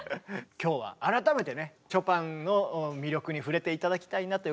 今日は改めてねショパンの魅力に触れて頂きたいなという回を。